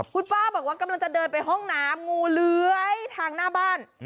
คุณป้าบอกว่ากำลังจะเดินไปห้องน้ำงูเลื้อยทางหน้าบ้าน